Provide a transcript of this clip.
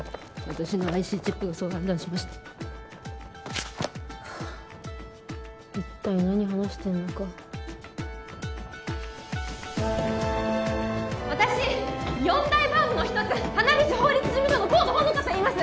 「私のＩＣチップがそう判断しました」はあ一体何話してんだか私四大ファームの一つ鼻菱法律事務所の河野穂乃果といいます！